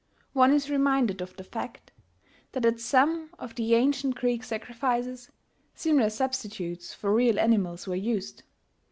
One is reminded of the fact that, at some of the ancient Greek sacrifices, similar substitutes for real animals were used.